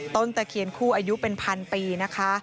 ตะเคียนคู่อายุเป็นพันปีนะคะ